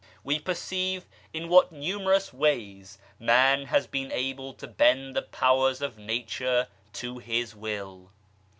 We perceive in what numerous ways Man has been able to bend the powers of Nature to his will.